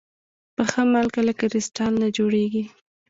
پخه مالګه له کريستال نه جوړېږي.